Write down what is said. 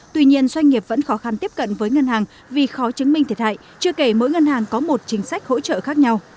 tuy nhiên doanh nghiệp vẫn khó khăn tiếp cận với ngân hàng vì khó chứng minh thiệt hại chưa kể mỗi ngân hàng có một chính sách hỗ trợ khác nhau